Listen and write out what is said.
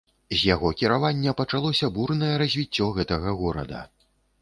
З яго кіравання пачалося бурнае развіццё гэтага горада.